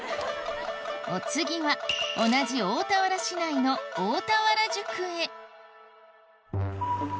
お次は同じ大田原市内の大田原宿。